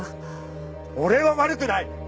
俺は悪くない！